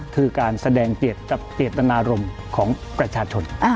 คือการแสดงเจตนารมณ์ของประชาชน